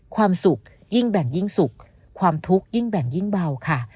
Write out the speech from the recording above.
ความสุขยิ่งแบ่งยิ่งสุขความทุกข์ยิ่งแบ่งยิ่งเบาค่ะ